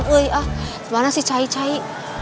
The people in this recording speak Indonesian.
gimana sih cahai cahai